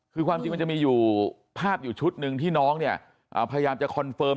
คือความจริงมันจะมีอยู่ภาพอยู่ชุดหนึ่งที่น้องเนี่ยพยายามจะคอนเฟิร์ม